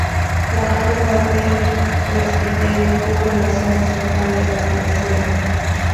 La bóveda del presbiterio cubre la zona central de la cabecera.